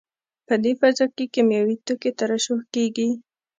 په دې فضا کې کیمیاوي توکي ترشح کېږي.